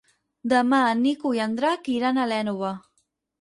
Demà en Nico i en Drac iran a l'Énova.